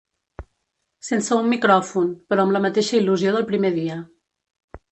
Sense un micròfon, però amb la mateixa il·lusió del primer dia.